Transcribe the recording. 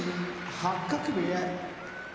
八角部屋